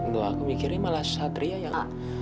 loh aku mikirin malah satria yang